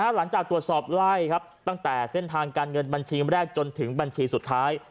หลังจากตรวจสอบไล่ครับตั้งแต่เส้นทางการเงินบัญชีแรกจนถึงบัญชีสุดท้าย